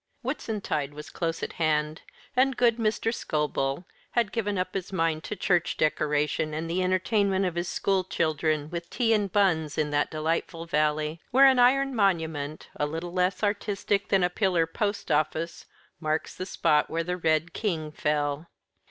Whitsuntide was close at hand, and good Mr. Scobel had given up his mind to church decoration, and the entertainment of his school children with tea and buns in that delightful valley, where an iron monument, a little less artistic than a pillar post office marks the spot where the Red King fell.